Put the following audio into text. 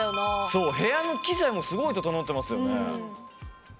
そう部屋の機材もすごい整ってますよね。